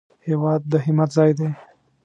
هېواد د همت ځای دی